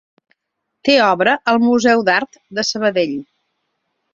Té obra al Museu d'Art de Sabadell.